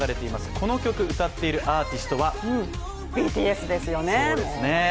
この曲を歌っているアーティストはＢＴＳですよね